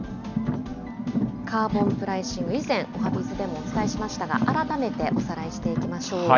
カーボンプライシング、以前、おはＢｉｚでもお伝えしましたが、改めておさらいしていきましょう。